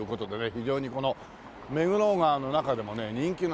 非常にこの目黒川の中でもね人気の橋でね。